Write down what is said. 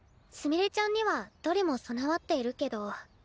すみれちゃんにはどれも備わっているけど。